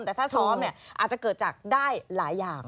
แต่ถ้าซ้อมเนี่ยอาจจะเกิดจากได้หลายอย่าง